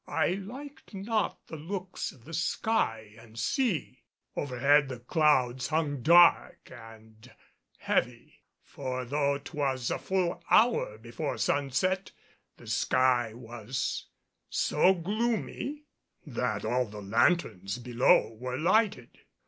I liked not the looks of the sky and sea. Overhead the clouds hung dark and heavy, for though 'twas a full hour before sunset the sky was so gloomy that all the lanthorns below were lighted.